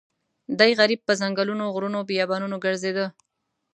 دی غریب په ځنګلونو غرونو بیابانونو ګرځېده.